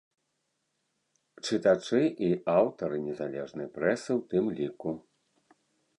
Чытачы і аўтары незалежнай прэсы ў тым ліку.